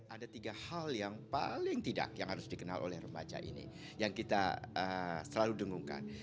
ada tiga hal yang paling tidak yang harus dikenal oleh remaja ini yang kita selalu dengungkan